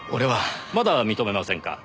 まだ認めませんか？